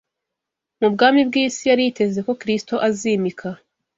mu bwami bw’isi yari yiteze ko Kristo azīmika.